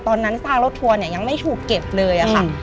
ซากรถทัวร์เนี่ยยังไม่ถูกเก็บเลยค่ะ